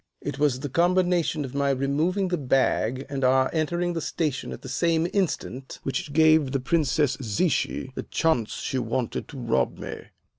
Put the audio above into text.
It was the combination of my removing the bag and our entering the station at the same instant which gave the Princess Zichy the chance she wanted to rob me.